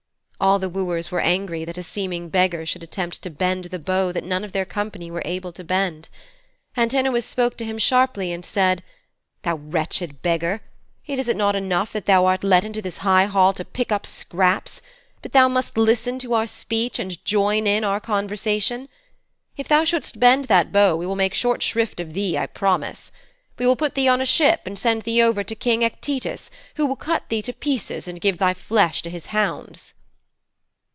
All the wooers were angry that a seeming beggar should attempt to bend the bow that none of their company were able to bend; Antinous spoke to him sharply and said: 'Thou wretched beggar! Is it not enough that thou art let into this high hall to pick up scraps, but thou must listen to our speech and join in our conversation? If thou shouldst bend that bow we will make short shrift of thee, I promise. We will put thee on a ship and send thee over to King Echetus, who will cut thee to pieces and give thy flesh to his hounds.'